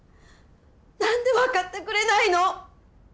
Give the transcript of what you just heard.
何で分かってくれないの！